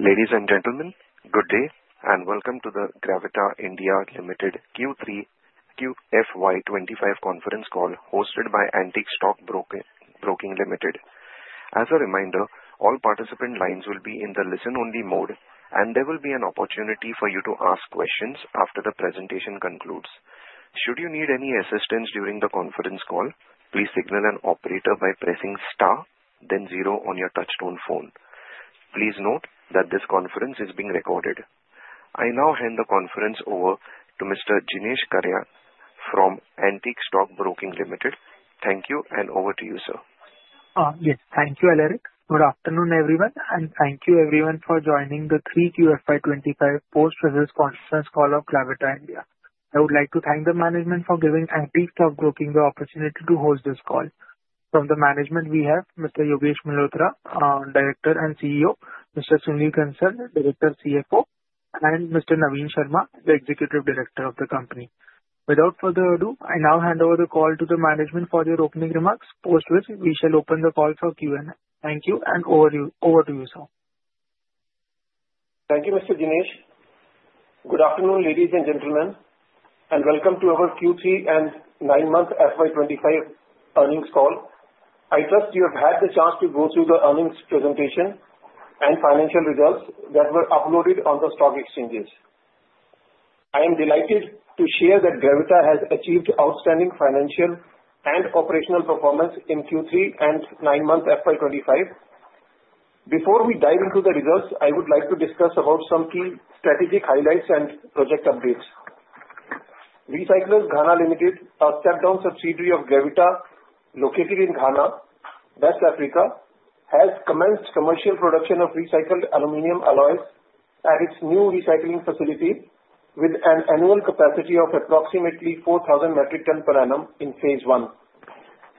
Ladies and gentlemen, good day and welcome to the Gravita India Limited Q3 FY25 conference call hosted by Antique Stock Broking Limited. As a reminder, all participant lines will be in the listen-only mode, and there will be an opportunity for you to ask questions after the presentation concludes. Should you need any assistance during the conference call, please signal an operator by pressing star, then zero on your touch-tone phone. Please note that this conference is being recorded. I now hand the conference over to Mr. Dinesh Karia from Antique Stock Broking Limited. Thank you, and over to you, sir. Yes, thank you, Alaric. Good afternoon, everyone, and thank you, everyone, for joining the Q3 FY25 post-results conference call of Gravita India. I would like to thank the management for giving Antique Stock Broking the opportunity to host this call. From the management, we have Mr. Yogesh Malhotra, Director and CEO. Mr. Sunil Kansal, Director and CFO. And Mr. Naveen Sharma, the Executive Director of the company. Without further ado, I now hand over the call to the management for their opening remarks, post which we shall open the call for Q&A. Thank you, and over to you, sir. Thank you, Mr. Dinesh. Good afternoon, ladies and gentlemen, and welcome to our Q3 and nine-month FY25 earnings call. I trust you have had the chance to go through the earnings presentation and financial results that were uploaded on the stock exchanges. I am delighted to share that Gravita has achieved outstanding financial and operational performance in Q3 and nine-month FY25. Before we dive into the results, I would like to discuss some key strategic highlights and project updates. Recyclers Ghana Limited, a step-down subsidiary of Gravita located in Ghana, West Africa, has commenced commercial production of recycled aluminum alloys at its new recycling facility with an annual capacity of approximately 4,000 metric tons per annum in phase one.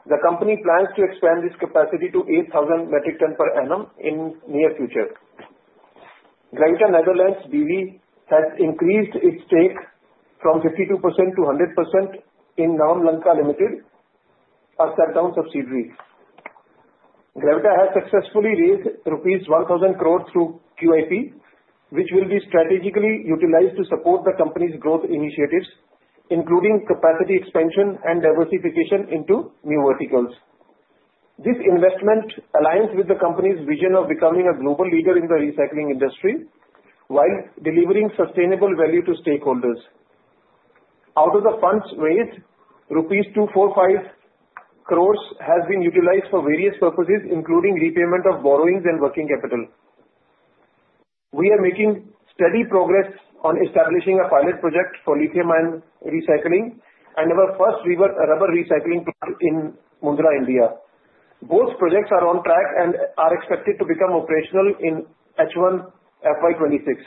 The company plans to expand this capacity to 8,000 metric tons per annum in the near future. Gravita Netherlands BV has increased its stake from 52% to 100% in Navam Lanka Limited, a step-down subsidiary. Gravita has successfully raised rupees 1,000 crore through QIP, which will be strategically utilized to support the company's growth initiatives, including capacity expansion and diversification into new verticals. This investment aligns with the company's vision of becoming a global leader in the recycling industry while delivering sustainable value to stakeholders. Out of the funds raised, rupees 245 crore has been utilized for various purposes, including repayment of borrowings and working capital. We are making steady progress on establishing a pilot project for lithium-ion recycling and our first rubber recycling plant in Mundra, India. Both projects are on track and are expected to become operational in H1 FY26.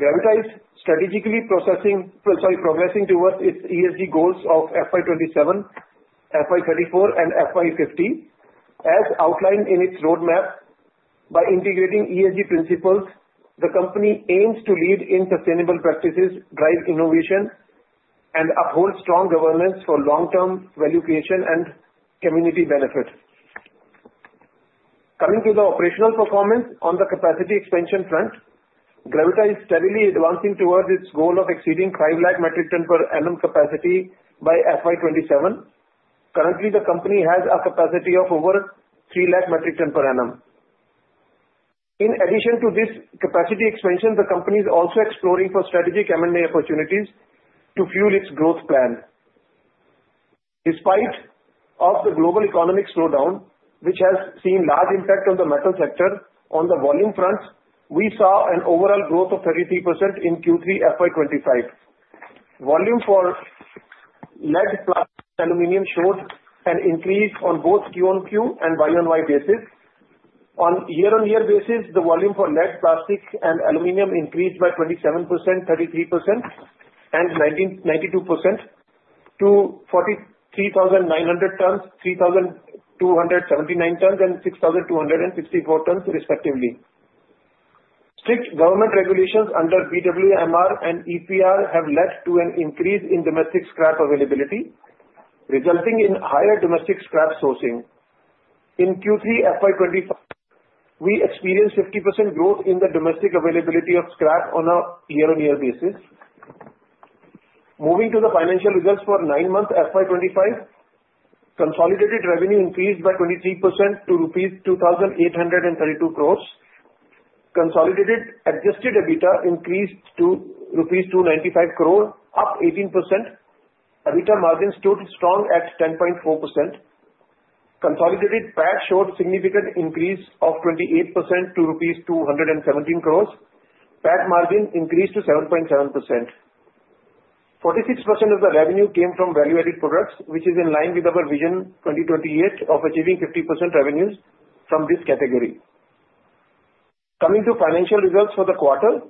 Gravita is strategically progressing towards its ESG goals of FY27, FY34, and FY50, as outlined in its roadmap. By integrating ESG principles, the company aims to lead in sustainable practices, drive innovation, and uphold strong governance for long-term value creation and community benefit. Coming to the operational performance on the capacity expansion front, Gravita is steadily advancing towards its goal of exceeding 5 lakh metric tons per annum capacity by FY27. Currently, the company has a capacity of over 3 lakh metric tons per annum. In addition to this capacity expansion, the company is also exploring strategic M&A opportunities to fuel its growth plan. Despite the global economic slowdown, which has seen a large impact on the metal sector, on the volume front, we saw an overall growth of 33% in Q3 FY25. Volume for lead, plastic, aluminum showed an increase on both Q on Q and Y on Y basis. On year-on-year basis, the volume for lead, plastic, and aluminum increased by 27%, 33%, and 92% to 43,900 tons, 3,279 tons, and 6,264 tons, respectively. Strict government regulations under BWMR and EPR have led to an increase in domestic scrap availability, resulting in higher domestic scrap sourcing. In Q3 FY25, we experienced 50% growth in the domestic availability of scrap on a year-on-year basis. Moving to the financial results for nine-month FY25, consolidated revenue increased by 23% to ₹2,832 crores. Consolidated adjusted EBITDA increased to ₹295 crore, up 18%. EBITDA margin stood strong at 10.4%. Consolidated PAT showed a significant increase of 28% to ₹217 crores. PAT margin increased to 7.7%. 46% of the revenue came from value-added products, which is in line with our Vision 2028 of achieving 50% revenues from this category. Coming to financial results for the quarter,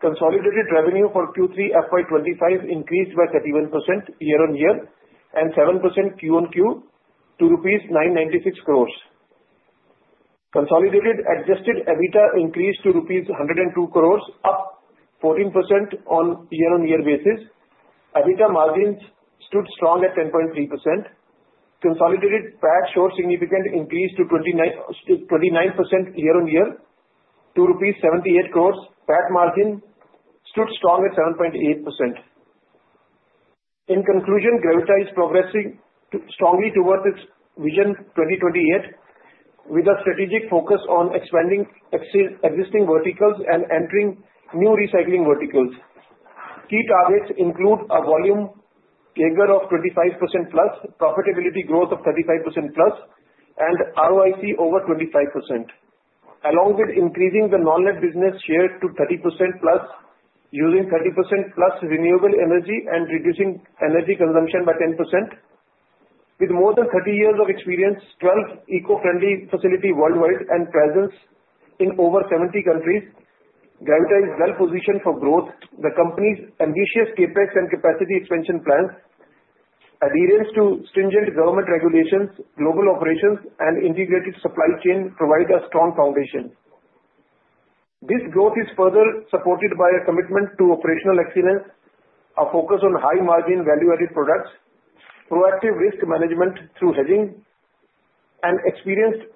consolidated revenue for Q3 FY25 increased by 31% year-on-year and 7% Q on Q to rupees 996 crores. Consolidated adjusted EBITDA increased to rupees 102 crores, up 14% on a year-on-year basis. EBITDA margins stood strong at 10.3%. Consolidated PAT showed a significant increase to 29% year-on-year to 78 crores. PAT margin stood strong at 7.8%. In conclusion, Gravita is progressing strongly towards its Vision 2028 with a strategic focus on expanding existing verticals and entering new recycling verticals. Key targets include a volume figure of 25% plus, profitability growth of 35% plus, and ROIC over 25%, along with increasing the non-lead business share to 30% plus using 30% plus renewable energy and reducing energy consumption by 10%. With more than 30 years of experience, 12 eco-friendly facilities worldwide, and presence in over 70 countries, Gravita is well-positioned for growth. The company's ambitious CapEx and capacity expansion plans, adherence to stringent government regulations, global operations, and integrated supply chain provide a strong foundation. This growth is further supported by a commitment to operational excellence, a focus on high-margin value-added products, proactive risk management through hedging, an experienced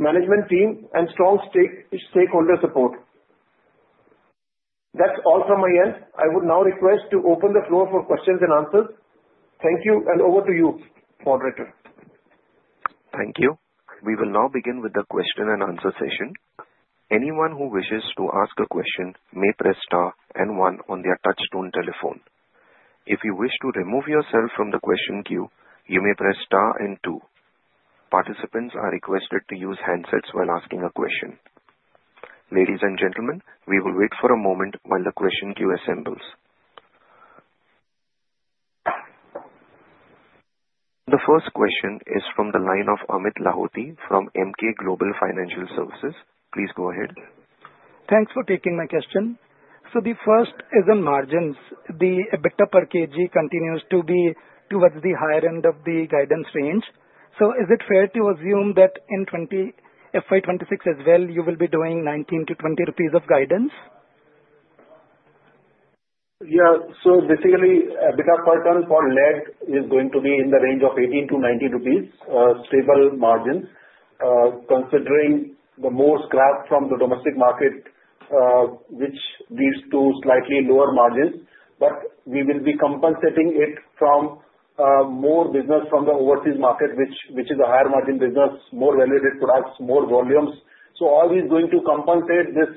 management team, and strong stakeholder support. That's all from my end. I would now request to open the floor for questions and answers. Thank you, and over to you, moderator. Thank you. We will now begin with the question and answer session. Anyone who wishes to ask a question may press star and one on their touch-tone telephone. If you wish to remove yourself from the question queue, you may press star and two. Participants are requested to use handsets while asking a question. Ladies and gentlemen, we will wait for a moment while the question queue assembles. The first question is from the line of Amit Lahoti from Emkay Global Financial Services. Please go ahead. Thanks for taking my question. So the first is on margins. The EBITDA per kg continues to be towards the higher end of the guidance range. So is it fair to assume that in FY26 as well, you will be doing ₹19-₹20 of guidance? Yeah. So basically, EBITDA per ton for lead is going to be in the range of 18-19 rupees, stable margin, considering the more scrap from the domestic market, which leads to slightly lower margins. But we will be compensating it from more business from the overseas market, which is a higher margin business, more value-added products, more volumes. So always going to compensate this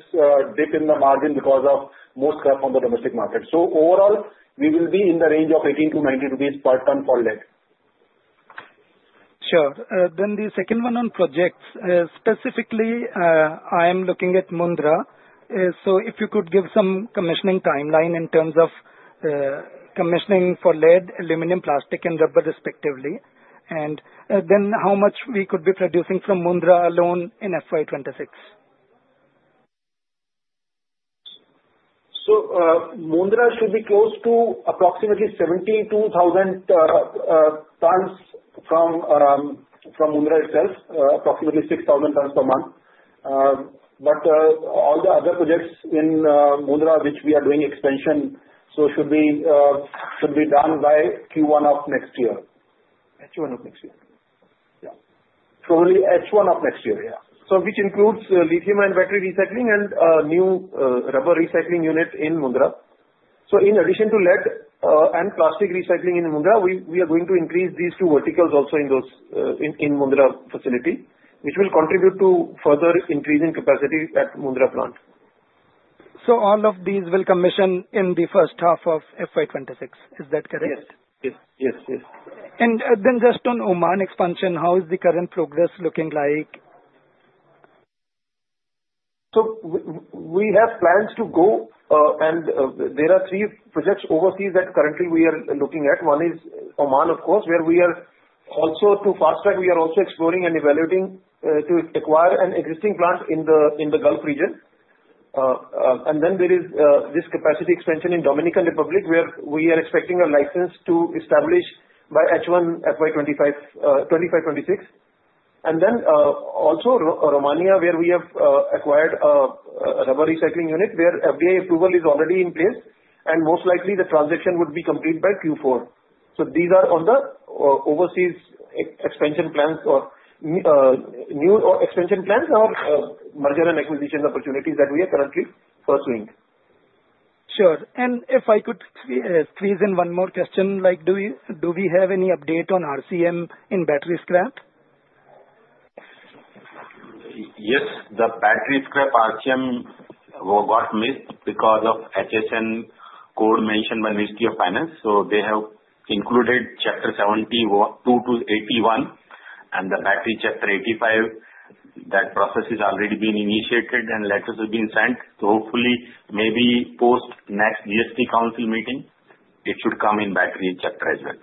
dip in the margin because of more scrap from the domestic market. So overall, we will be in the range of 18-19 rupees per ton for lead. Sure. Then the second one on projects. Specifically, I am looking at Mundra. So if you could give some commissioning timeline in terms of commissioning for lead, aluminum, plastic, and rubber, respectively. And then how much we could be producing from Mundra alone in FY26? So Mundra should be close to approximately 72,000 tons from Mundra itself, approximately 6,000 tons per month. But all the other projects in Mundra, which we are doing expansion, so should be done by Q1 of next year. H1 of next year. Yeah. Probably H1 of next year, yeah. So which includes lithium-ion battery recycling and new rubber recycling unit in Mundra. So in addition to lead and plastic recycling in Mundra, we are going to increase these two verticals also in Mundra facility, which will contribute to further increasing capacity at Mundra plant. So all of these will commission in the first half of FY26. Is that correct? Yes. Yes. Yes. Just on Oman expansion, how is the current progress looking like? We have plans to go, and there are three projects overseas that currently we are looking at. One is Oman, of course, where we are also to fast track. We are also exploring and evaluating to acquire an existing plant in the Gulf region. Then there is this capacity expansion in Dominican Republic, where we are expecting a license to establish by H1 FY25-26. Then also Romania, where we have acquired a rubber recycling unit where FDA approval is already in place, and most likely the transaction would be complete by Q4. These are all the overseas expansion plans or new expansion plans or merger and acquisition opportunities that we are currently pursuing. Sure. And if I could squeeze in one more question, do we have any update on RCM in battery scrap? Yes. The battery scrap RCM got missed because of HSN code mentioned by Ministry of Finance. So they have included Chapter 70, 72 to 81, and the battery Chapter 85. That process has already been initiated, and letters have been sent. So hopefully, maybe post GST Council meeting, it should come in battery Chapter as well.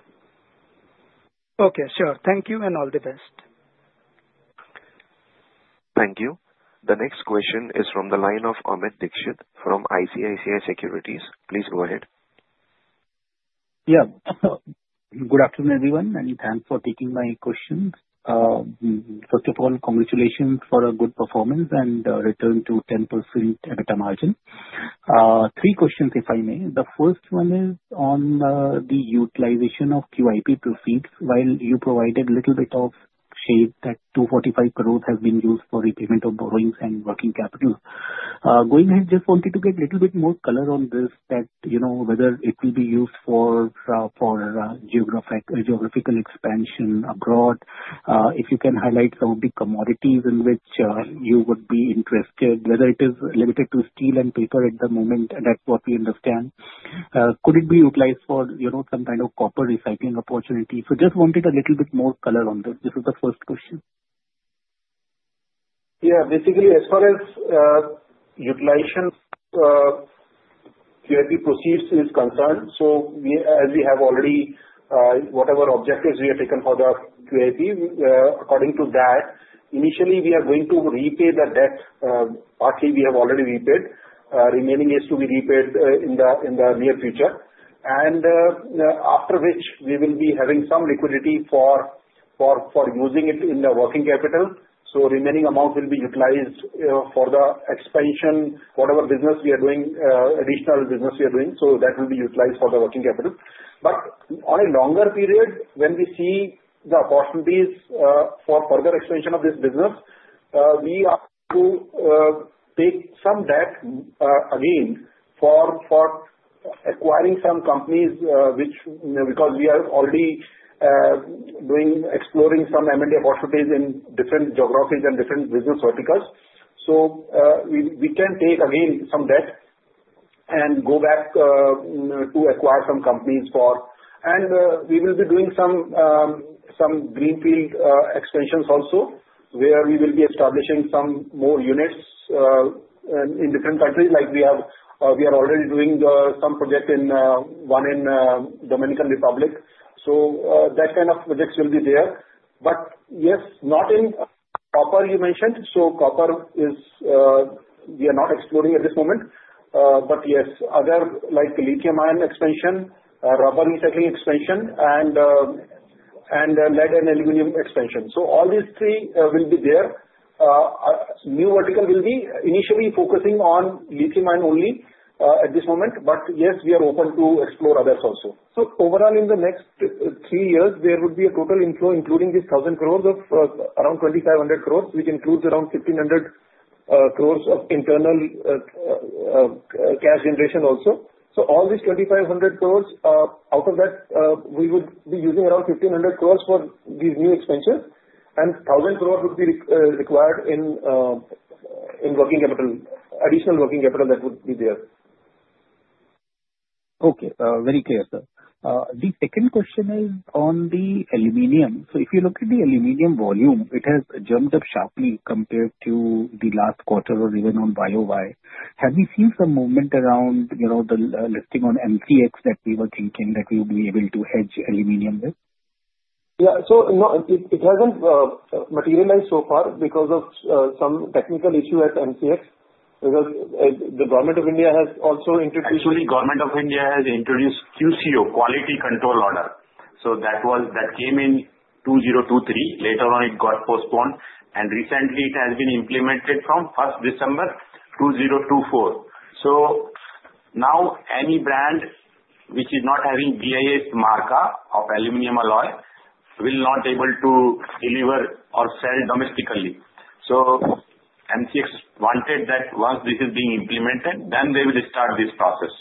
Okay. Sure. Thank you, and all the best. Thank you. The next question is from the line of Amit Dixit from ICICI Securities. Please go ahead. Yeah. Good afternoon, everyone, and thanks for taking my question. First of all, congratulations for a good performance and return to 10% EBITDA margin. Three questions, if I may. The first one is on the utilization of QIP proceeds while you provided a little bit of shade that 245 crore has been used for repayment of borrowings and working capital. Going ahead, just wanted to get a little bit more color on this, whether it will be used for geographical expansion abroad. If you can highlight some of the commodities in which you would be interested, whether it is limited to steel and paper at the moment, that's what we understand. Could it be utilized for some kind of copper recycling opportunity? So just wanted a little bit more color on this. This is the first question. Yeah. Basically, as far as utilization QIP proceeds is concerned, so as we have already whatever objectives we have taken for the QIP, according to that, initially, we are going to repay the debt. Partly, we have already repaid. Remaining is to be repaid in the near future. And after which, we will be having some liquidity for using it in the working capital. So remaining amount will be utilized for the expansion, whatever business we are doing, additional business we are doing. So that will be utilized for the working capital. But on a longer period, when we see the opportunities for further expansion of this business, we are to take some debt again for acquiring some companies because we are already exploring some M&A opportunities in different geographies and different business verticals. So we can take again some debt and go back to acquire some companies for. And we will be doing some greenfield expansions also where we will be establishing some more units in different countries. We are already doing some projects, one in Dominican Republic. So that kind of projects will be there. But yes, not in copper, you mentioned. So copper we are not exploring at this moment. But yes, other like lithium-ion expansion, rubber recycling expansion, and lead and aluminum expansion. So all these three will be there. New vertical will be initially focusing on lithium-ion only at this moment. But yes, we are open to explore others also. So overall, in the next three years, there would be a total inflow, including this 1,000 crore of around 2,500 crore, which includes around 1,500 crore of internal cash generation also. So all these 2,500 crore, out of that, we would be using around 1,500 crore for these new expenses. 1,000 crore would be required in additional working capital that would be there. Okay. Very clear, sir. The second question is on the aluminum. So if you look at the aluminum volume, it has jumped up sharply compared to the last quarter or even on YoY. Have we seen some movement around the listing on MCX that we were thinking that we would be able to hedge aluminum with? Yeah. So it hasn't materialized so far because of some technical issue at MCX. The Government of India has also introduced. Actually, Government of India has introduced QCO, Quality Control Order. So that came in 2023. Later on, it got postponed, and recently, it has been implemented from 1st December 2024. So now, any brand which is not having BIS mark of aluminum alloy will not be able to deliver or sell domestically. So MCX wanted that once this is being implemented, then they will start this process.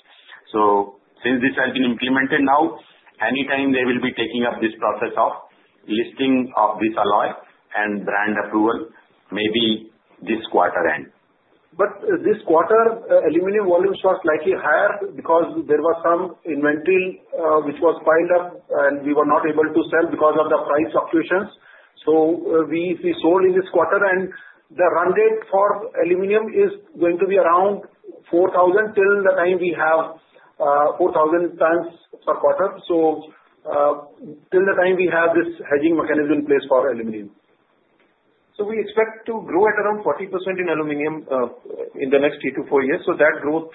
So since this has been implemented now, anytime they will be taking up this process of listing of this alloy and brand approval, maybe this quarter end. But this quarter, aluminum volume was slightly higher because there was some inventory which was piled up, and we were not able to sell because of the price fluctuations. So we sold in this quarter, and the run rate for aluminum is going to be around 4,000 till the time we have 4,000 tons per quarter. So till the time we have this hedging mechanism in place for aluminum. So we expect to grow at around 40% in aluminum in the next three to four years. So that growth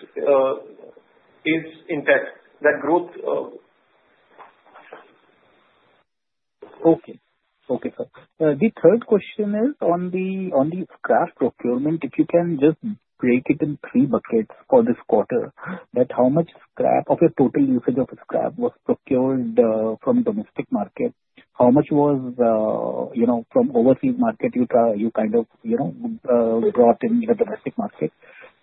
is intact. That growth. Okay. Okay, sir. The third question is on the scrap procurement. If you can just break it in three buckets for this quarter, that how much scrap of your total usage of scrap was procured from domestic market? How much was from overseas market you kind of brought in the domestic market?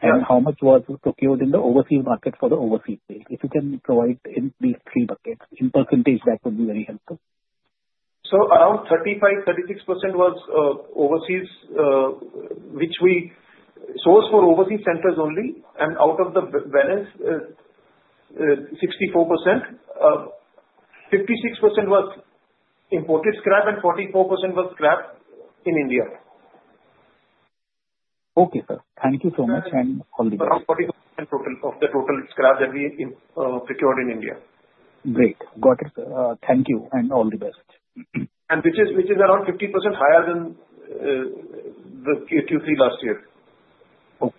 And how much was procured in the overseas market for the overseas sale? If you can provide in these three buckets, in percentage, that would be very helpful. So around 35%-36% was overseas, which we sourced for overseas centers only. And out of the balance, 64%. 56% was imported scrap, and 44% was scrap in India. Okay, sir. Thank you so much, and all the best. Around 40% of the total scrap that we procured in India. Great. Got it. Thank you, and all the best. Which is around 50% higher than the Q3 last year. Okay.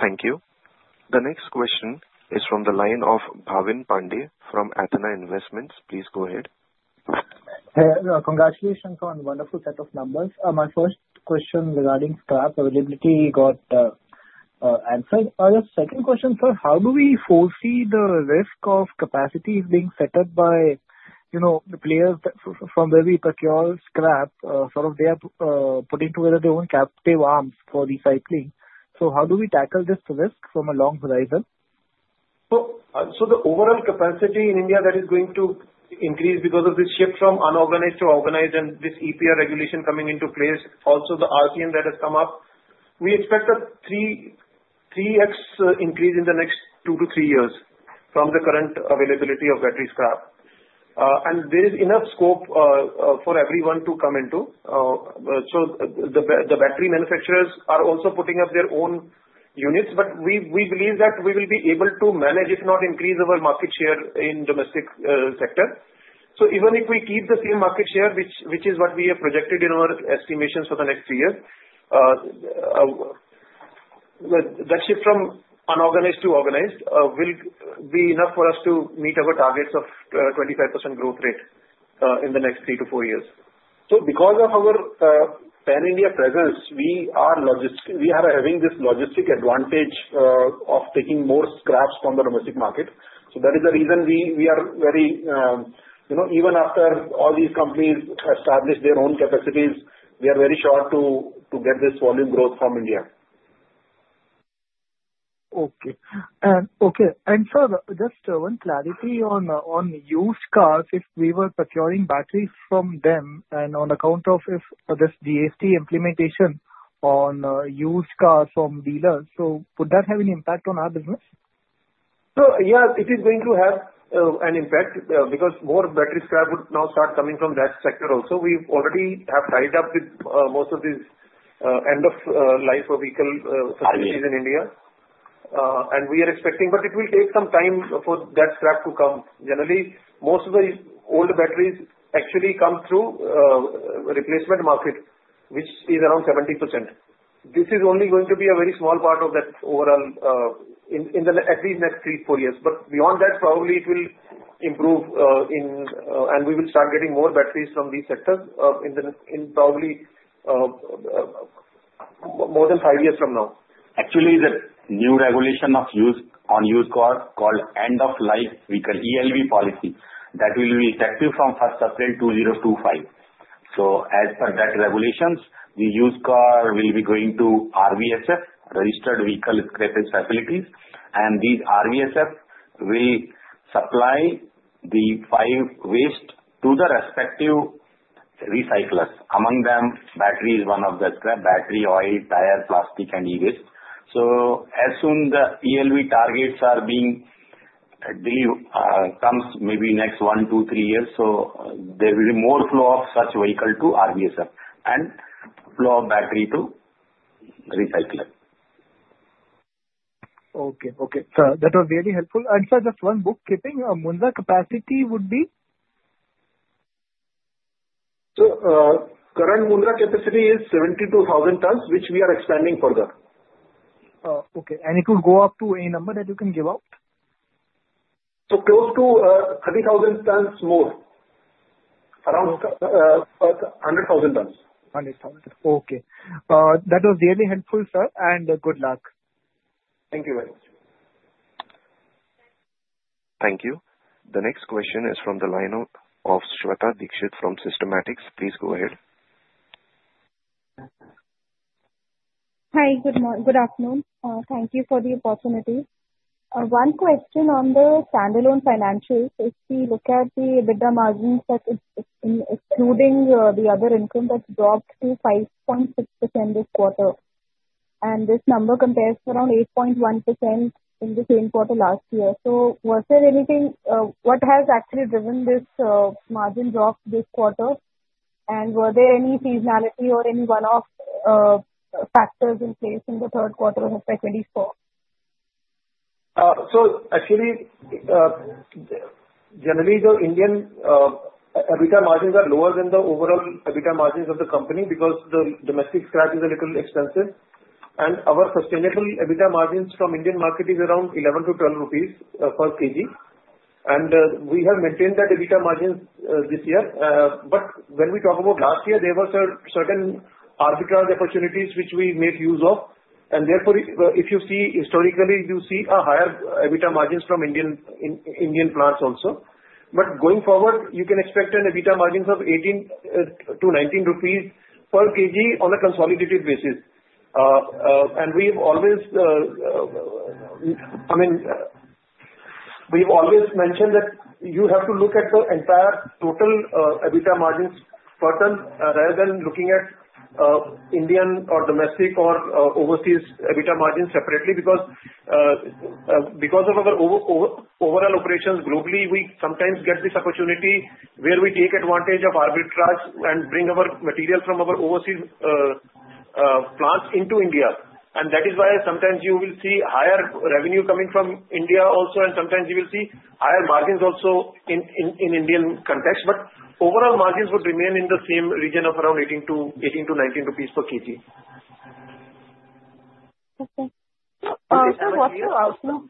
Thank you. The next question is from the line of Bhavin Pande from Athena Investments. Please go ahead. Congratulations on a wonderful set of numbers. My first question regarding scrap availability got answered. Second question, sir, how do we foresee the risk of capacity being set up by players from where we procure scrap? Sort of they are putting together their own captive arms for recycling. So how do we tackle this risk from a long horizon? The overall capacity in India that is going to increase because of this shift from unorganized to organized and this EPR regulation coming into place, also the RCM that has come up, we expect a 3x increase in the next two to three years from the current availability of battery scrap. There is enough scope for everyone to come into. The battery manufacturers are also putting up their own units. We believe that we will be able to manage, if not increase our market share in the domestic sector. Even if we keep the same market share, which is what we have projected in our estimations for the next year, that shift from unorganized to organized will be enough for us to meet our targets of 25% growth rate in the next three to four years. So because of our pan-India presence, we are having this logistical advantage of taking more scraps from the domestic market. So that is the reason we are very sure, even after all these companies establish their own capacities, we are very sure to get this volume growth from India. Okay. And sir, just one clarity on used cars. If we were procuring batteries from them and on account of this GST implementation on used cars from dealers, so would that have an impact on our business? So yeah, it is going to have an impact because more battery scrap would now start coming from that sector also. We already have tied up with most of these end-of-life vehicle facilities in India. And we are expecting, but it will take some time for that scrap to come. Generally, most of the old batteries actually come through replacement market, which is around 70%. This is only going to be a very small part of that overall in at least next three to four years. But beyond that, probably it will improve, and we will start getting more batteries from these sectors in probably more than five years from now. Actually, the new regulation on used car called End-of-Life Vehicle ELV Policy that will be effective from 1st April 2025. So as per that regulations, the used car will be going to RVSF, Registered Vehicle Scrapping Facilities. And these RVSF will supply the waste to the respective recyclers. Among them, battery is one of the scrap: battery, oil, tire, plastic, and e-waste. So as soon the ELV targets are being delivered, comes maybe next one, two, three years, so there will be more flow of such vehicle to RVSF and flow of battery to recycler. Okay. Okay. That was very helpful. And sir, just one bookkeeping, Mundra capacity would be? Current Mundra capacity is 72,000 tons, which we are expanding further. Okay. And it would go up to any number that you can give out? So close to 30,000 tons more, around 100,000 tons. 100,000. Okay. That was really helpful, sir, and good luck. Thank you very much. Thank you. The next question is from the line of Shweta Dixit from Systematix. Please go ahead. Hi. Good afternoon. Thank you for the opportunity. One question on the standalone financials. If we look at the EBITDA margins, that including the other income, that's dropped to 5.6% this quarter. And this number compares to around 8.1% in the same quarter last year. So was there anything what has actually driven this margin drop this quarter? And were there any seasonality or any one-off factors in place in the third quarter of FY24? So actually, generally, the Indian EBITDA margins are lower than the overall EBITDA margins of the company because the domestic scrap is a little expensive. And our sustainable EBITDA margins from Indian market is around ₹11-₹12 per kg. And we have maintained that EBITDA margins this year. But when we talk about last year, there were certain arbitrage opportunities which we made use of. And therefore, if you see historically, you see a higher EBITDA margins from Indian plants also. But going forward, you can expect an EBITDA margin of ₹18-₹19 per kg on a consolidated basis. We have always, I mean, mentioned that you have to look at the entire total EBITDA margins further rather than looking at Indian or domestic or overseas EBITDA margins separately. Because of our overall operations globally, we sometimes get this opportunity where we take advantage of arbitrage and bring our material from our overseas plants into India. That is why sometimes you will see higher revenue coming from India also, and sometimes you will see higher margins also in Indian context. But overall, margins would remain in the same region of around ₹18-₹19 per kg. Okay. So what's your outlook?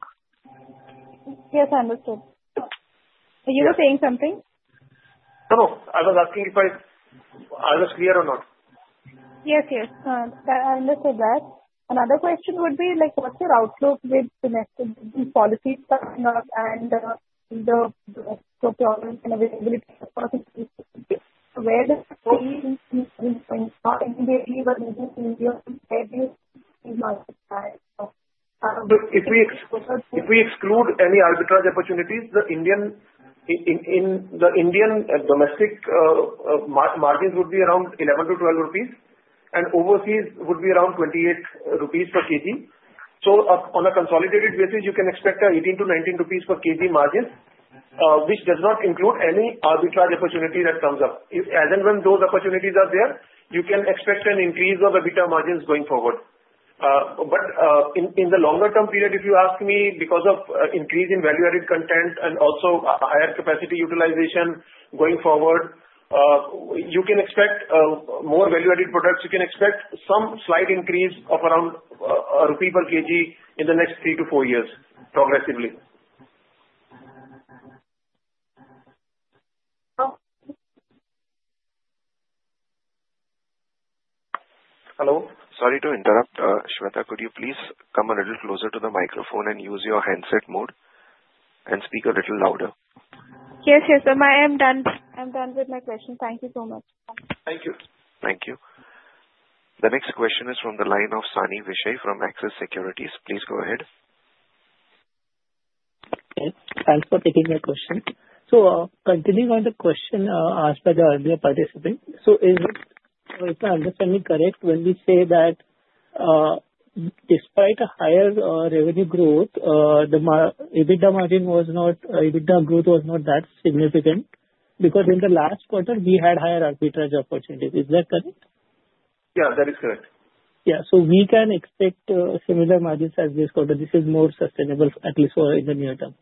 Yes, I understood. Are you saying something? Hello. I was asking if I was clear or not? Yes, yes. I understood that. Another question would be what's your outlook with domestic policies and the procurement availability? Where does India? But if we exclude any arbitrage opportunities, the Indian domestic margins would be around INR 11-INR 12, and overseas would be around INR 28 per kg. So on a consolidated basis, you can expect INR 18-INR 19 per kg margins, which does not include any arbitrage opportunity that comes up. As and when those opportunities are there, you can expect an increase of EBITDA margins going forward. But in the longer-term period, if you ask me, because of increase in value-added content and also higher capacity utilization going forward, you can expect more value-added products. You can expect some slight increase of around INR 1 per kg in the next three to four years progressively. Okay. Hello. Sorry to interrupt, Shweta. Could you please come a little closer to the microphone and use your handset mode and speak a little louder? Yes, yes, sir. I am done. I'm done with my question. Thank you so much. Thank you. Thank you. The next question is from the line of Sani Vishe from Axis Securities. Please go ahead. Okay. Thanks for taking my question. So continuing on the question asked by the earlier participant, so if I'm understanding correct, when we say that despite a higher revenue growth, the EBITDA margin was not, EBITDA growth was not that significant because in the last quarter, we had higher arbitrage opportunities. Is that correct? Yeah, that is correct. Yeah. So we can expect similar margins as this quarter. This is more sustainable, at least for the near term.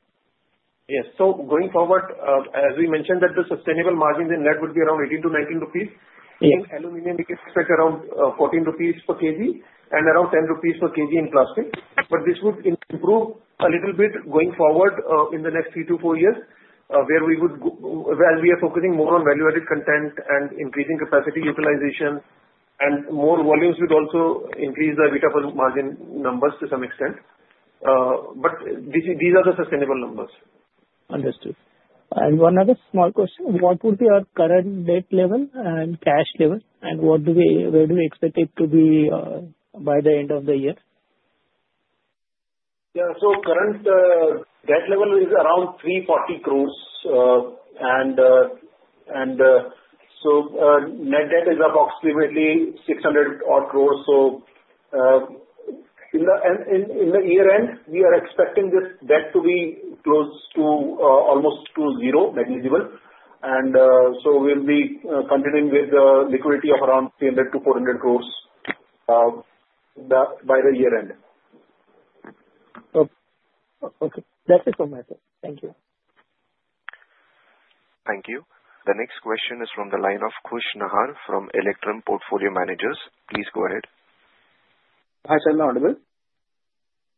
Yes. So going forward, as we mentioned that the sustainable margins in that would be around 18-19 rupees. In aluminum, we can expect around 14 rupees per kg and around 10 rupees per kg in plastic. But this would improve a little bit going forward in the next three to four years where we would, as we are focusing more on value-added content and increasing capacity utilization, and more volumes would also increase the EBITDA margin numbers to some extent. But these are the sustainable numbers. Understood. And one other small question. What would be our current debt level and cash level? And where do we expect it to be by the end of the year? Yeah. So current debt level is around 340 crores. And so net debt is approximately 600 crores. So in the year end, we are expecting this debt to be close to almost to zero, negligible. And so we'll be continuing with the liquidity of around 300-400 crores by the year end. Okay. That is all my side. Thank you. Thank you. The next question is from the line of Khush Nahar from Electrum Portfolio Managers. Please go ahead. Hi, sir. I'm audible?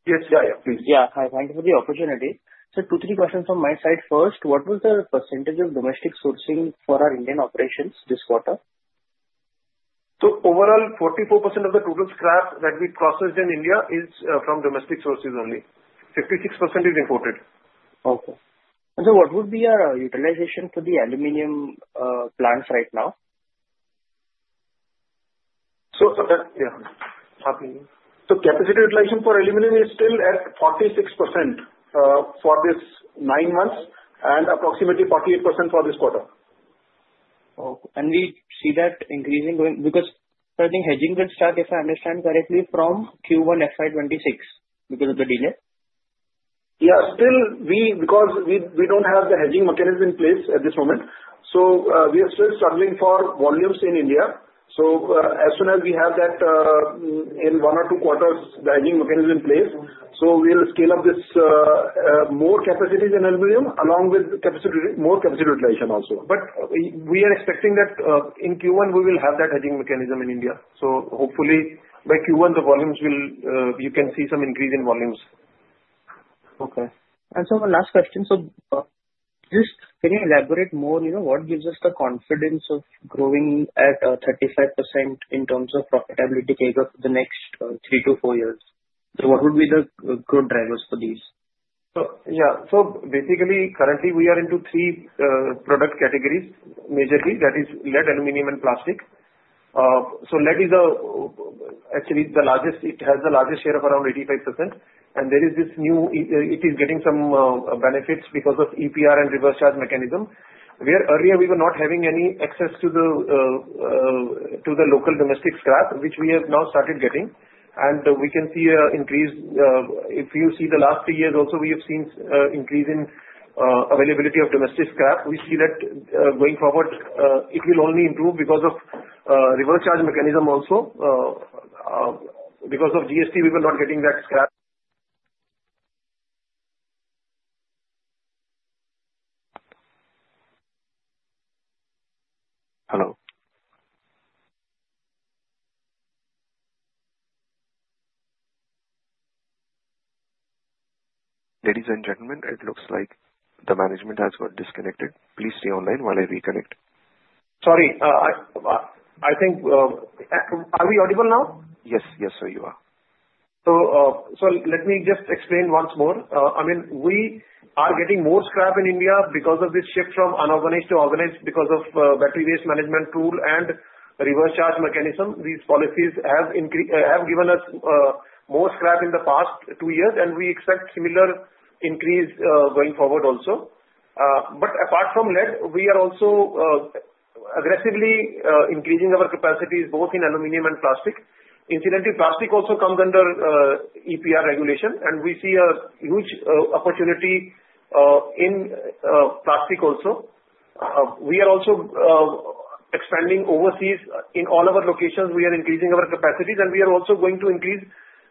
Yes. Yeah, yeah. Please. Yeah. Hi. Thank you for the opportunity. Sir, two, three questions from my side first. What was the percentage of domestic sourcing for our Indian operations this quarter? Overall, 44% of the total scrap that we processed in India is from domestic sources only. 56% is imported. Okay. And sir, what would be your utilization for the aluminum plants right now? Capacity utilization for aluminum is still at 46% for these nine months and approximately 48% for this quarter. Okay. And we see that increasing because I think hedging will start, if I understand correctly, from Q1 FY26 because of the delay? Yeah. Still, because we don't have the hedging mechanism in place at this moment, so we are still struggling for volumes in India. So as soon as we have that in one or two quarters, the hedging mechanism in place, so we'll scale up this more capacities in aluminum along with more capacity utilization also. But we are expecting that in Q1, we will have that hedging mechanism in India. So hopefully, by Q1, the volumes will you can see some increase in volumes. Okay. And sir, one last question. So just can you elaborate more? What gives us the confidence of growing at 35% in terms of profitability CAGR over the next three to four years? So what would be the growth drivers for these? Yeah. So basically, currently, we are into three product categories majorly. That is lead, aluminum, and plastic. So lead is actually the largest. It has the largest share of around 85%. And there is this new; it is getting some benefits because of EPR and reverse charge mechanism. Where earlier, we were not having any access to the local domestic scrap, which we have now started getting. And we can see an increase. If you see the last three years also, we have seen an increase in availability of domestic scrap. We see that going forward, it will only improve because of reverse charge mechanism also. Because of GST, we were not getting that scrap. Hello. Ladies and gentlemen, it looks like the management has got disconnected. Please stay online while I reconnect. Sorry. I think are we audible now? Yes. Yes, sir, you are. Let me just explain once more. I mean, we are getting more scrap in India because of this shift from unorganized to organized because of Battery Waste Management Rules and reverse charge mechanism. These policies have given us more scrap in the past two years, and we expect similar increase going forward also. Apart from lead, we are also aggressively increasing our capacities both in aluminum and plastic. Incidentally, plastic also comes under EPR regulation, and we see a huge opportunity in plastic also. We are also expanding overseas in all our locations. We are increasing our capacities, and we are also going to increase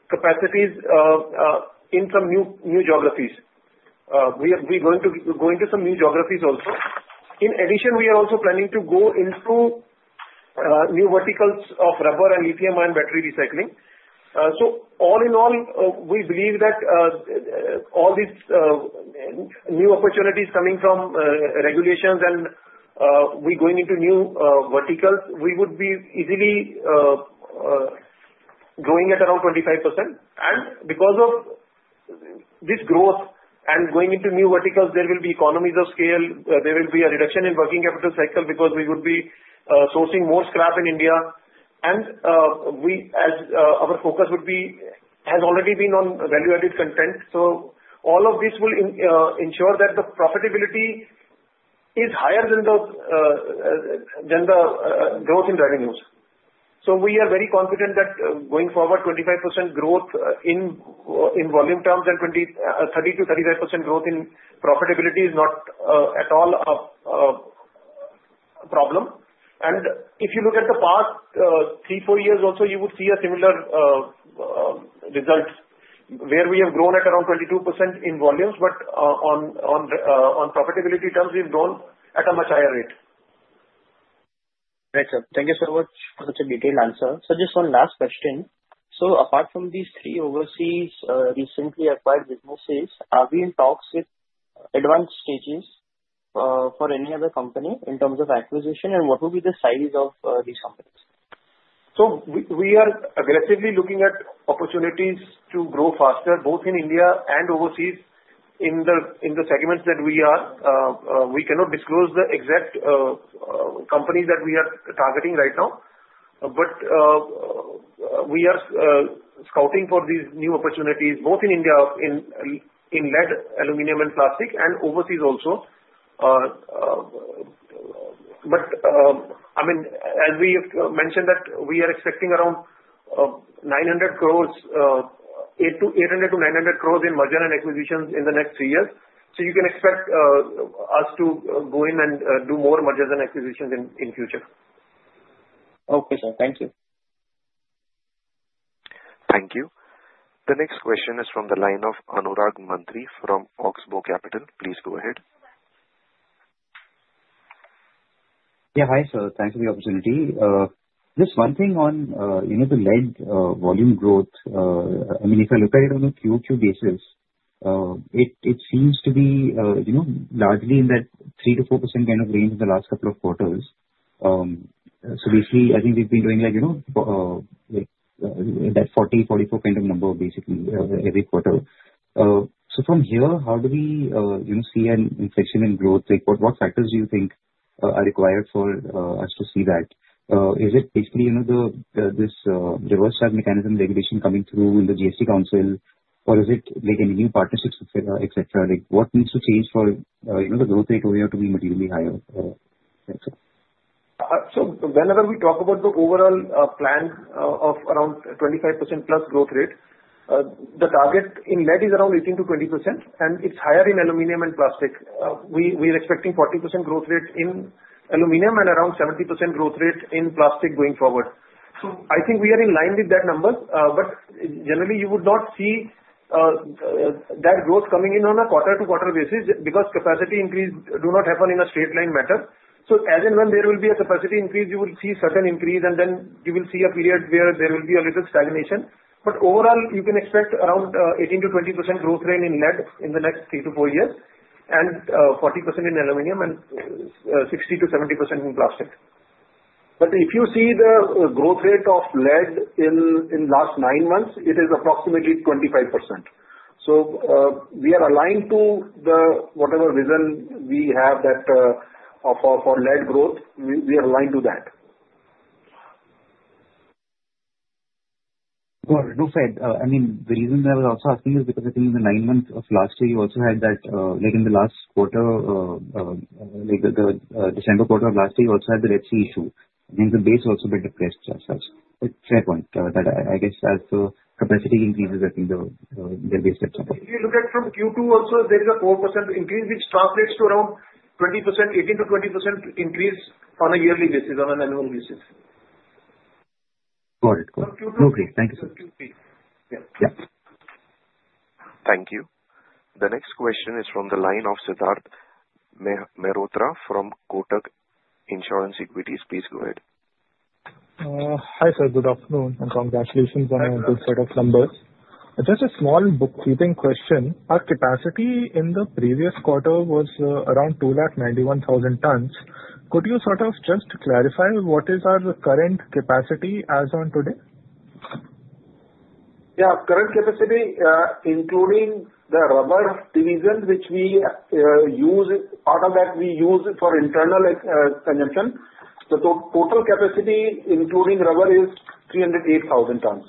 capacities in some new geographies. We are going to some new geographies also. In addition, we are also planning to go into new verticals of rubber and lithium-ion battery recycling. So all in all, we believe that all these new opportunities coming from regulations and we going into new verticals, we would be easily growing at around 25%. And because of this growth and going into new verticals, there will be economies of scale. There will be a reduction in working capital cycle because we would be sourcing more scrap in India. And our focus would be has already been on value-added content. So all of this will ensure that the profitability is higher than the growth in revenues. So we are very confident that going forward, 25% growth in volume terms and 30%-35% growth in profitability is not at all a problem. If you look at the past three, four years also, you would see a similar result where we have grown at around 22% in volumes, but on profitability terms, we have grown at a much higher rate. Right. Thank you so much for such a detailed answer. Just one last question. Apart from these three overseas recently acquired businesses, are we in talks with advanced stages for any other company in terms of acquisition, and what would be the size of these companies? So we are aggressively looking at opportunities to grow faster both in India and overseas in the segments that we are. We cannot disclose the exact companies that we are targeting right now, but we are scouting for these new opportunities both in India in lead aluminum and plastic and overseas also. But I mean, as we have mentioned that we are expecting around 800-900 crores in merger and acquisitions in the next three years. So you can expect us to go in and do more mergers and acquisitions in future. Okay, sir. Thank you. Thank you. The next question is from the line of Anurag Mantri from Oxbow Capital. Please go ahead. Yeah. Hi, sir. Thanks for the opportunity. Just one thing on the lead volume growth. I mean, if I look at it on a Q2 basis, it seems to be largely in that 3%-4% kind of range in the last couple of quarters. So basically, I think we've been doing that 40, 44 kind of number basically every quarter. So from here, how do we see an inflection in growth? What factors do you think are required for us to see that? Is it basically this reverse charge mechanism regulation coming through in GST Council, or is it any new partnerships, etc.? What needs to change for the growth rate over here to be materially higher? So whenever we talk about the overall plan of around 25% plus growth rate, the target in lead is around 18%-20%, and it's higher in aluminum and plastic. We are expecting 40% growth rate in aluminum and around 70% growth rate in plastic going forward. So I think we are in line with that number, but generally, you would not see that growth coming in on a quarter-to-quarter basis because capacity increase do not happen in a straight-line matter. So as and when there will be a capacity increase, you will see a certain increase, and then you will see a period where there will be a little stagnation. But overall, you can expect around 18%-20% growth rate in lead in the next three to four years and 40% in aluminum and 60%-70% in plastic. But if you see the growth rate of lead in the last nine months, it is approximately 25%. So we are aligned to whatever vision we have for lead growth. We are aligned to that. As you said, I mean, the reason I was also asking is because I think in the nine months of last year, you also had that in the last quarter, the December quarter of last year, you also had the Red Sea issue. I mean, the base also been depressed. That's a fair point that I guess as the capacity increases, I think the base gets supported. If you look at from Q2 also, there is a 4% increase, which translates to around 20%, 18%-20% increase on a yearly basis, on an annual basis. Got it. No worries. Thank you, sir. Thank you. Yeah. Thank you. The next question is from the line of Siddharth Mehrotra from Kotak Mahindra Life Insurance. Please go ahead. Hi, sir. Good afternoon. And congratulations on the good set of numbers. Just a small bookkeeping question. Our capacity in the previous quarter was around 291,000 tons. Could you sort of just clarify what is our current capacity as on today? Yeah. Current capacity, including the rubber division, which we use part of that for internal consumption. The total capacity, including rubber, is 308,000 tons.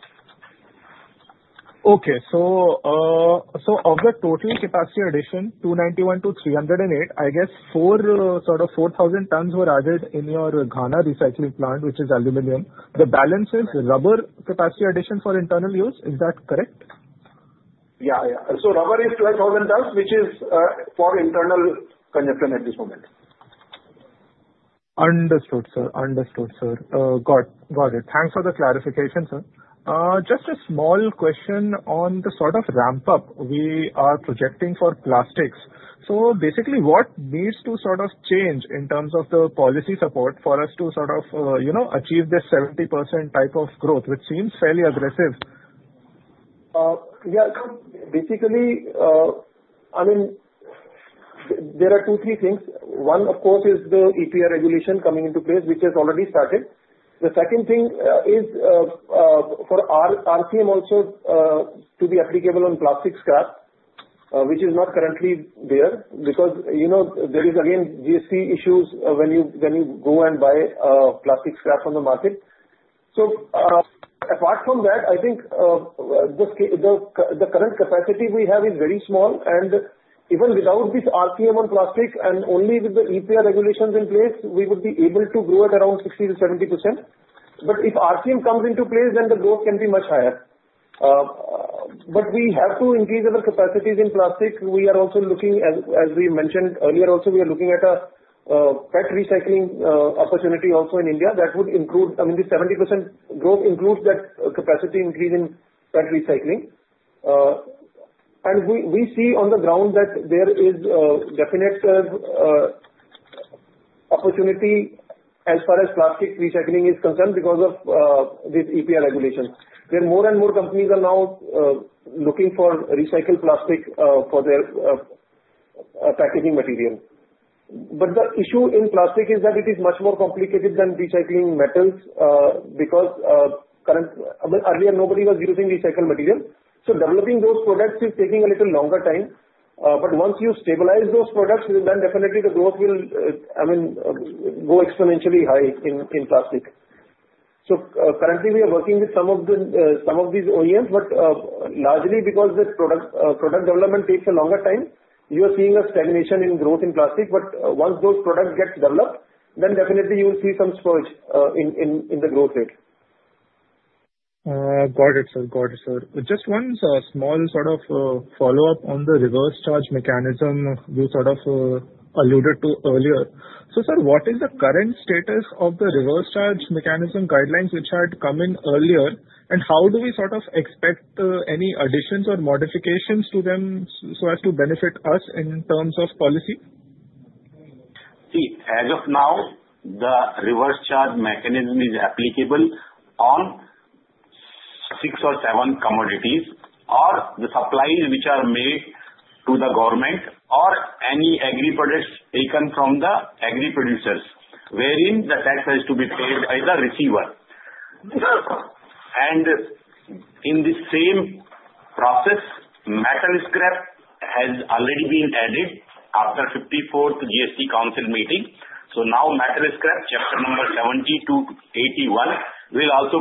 Okay. So, of the total capacity addition, 291-308, I guess sort of 4,000 tons were added in your Ghana recycling plant, which is aluminum. The balance is rubber capacity addition for internal use. Is that correct? Yeah, so rubber is 12,000 tons, which is for internal consumption at this moment. Understood, sir. Understood, sir. Got it. Thanks for the clarification, sir. Just a small question on the sort of ramp-up we are projecting for plastics. So basically, what needs to sort of change in terms of the policy support for us to sort of achieve this 70% type of growth, which seems fairly aggressive? Yeah. Basically, I mean, there are two, three things. One, of course, is the EPR regulation coming into place, which has already started. The second thing is for RCM also to be applicable on plastic scrap, which is not currently there because there is, again, GST issues when you go and buy plastic scrap from the market. So apart from that, I think the current capacity we have is very small. And even without this RCM on plastic and only with the EPR regulations in place, we would be able to grow at around 60%-70%. But if RCM comes into place, then the growth can be much higher. But we have to increase our capacities in plastic. We are also looking, as we mentioned earlier, also we are looking at a PET recycling opportunity also in India that would include, I mean, the 70% growth includes that capacity increase in PET recycling. And we see on the ground that there is definite opportunity as far as plastic recycling is concerned because of this EPR regulation. There are more and more companies now looking for recycled plastic for their packaging material. But the issue in plastic is that it is much more complicated than recycling metals because earlier, nobody was using recycled material. So developing those products is taking a little longer time. But once you stabilize those products, then definitely the growth will, I mean, go exponentially high in plastic. So currently, we are working with some of these OEMs, but largely because the product development takes a longer time, you are seeing a stagnation in growth in plastic. But once those products get developed, then definitely you will see some surge in the growth rate. Got it, sir. Got it, sir. Just one small sort of follow-up on the reverse charge mechanism you sort of alluded to earlier. So sir, what is the current status of the reverse charge mechanism guidelines which had come in earlier, and how do we sort of expect any additions or modifications to them so as to benefit us in terms of policy? See, as of now, the reverse charge mechanism is applicable on six or seven commodities or the supplies which are made to the government or any agri products taken from the agri producers, wherein the tax has to be paid by the receiver. And in the same process, metal scrap has already been added after the GST Council meeting. So now, metal scrap, chapter number 70-81, will also